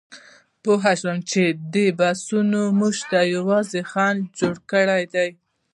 پوهه شو چې دې بحثونو موږ ته یوازې خنډ جوړ کړی دی.